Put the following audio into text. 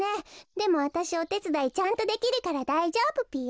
でもわたしおてつだいちゃんとできるからだいじょうぶぴよ。